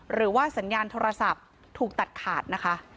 หรือว่าสัญญาณโทรศัพท์ถูกตัดขาดนะคะ